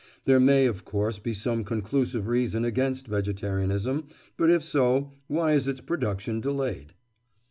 There may, of course, be some conclusive reason against vegetarianism, but if so, why is its production delayed?